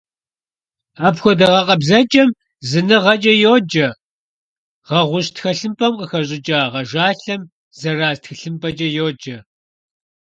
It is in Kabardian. Апхуэдэ гъэкъэбзэкӀэм зыныгъэкӀэ йоджэ, гъэгъущ тхылъымпӀэм къыхэщӀыкӀа гъэжалъэм — зэраз тхылъымпӀэкӀэ йоджэ.